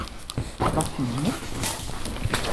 Was nämlich?